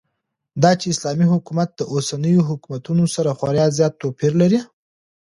داچې اسلامي حكومت داوسنيو حكومتونو سره خورا زيات توپير لري